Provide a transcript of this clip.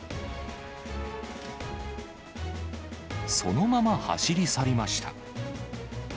そのまま走り去りました。